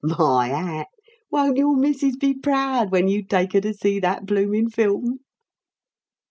My hat! won't your missis be proud when you take her to see that bloomin' film?"